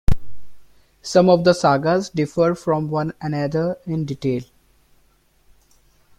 Some of the sagas differ from one another in detail.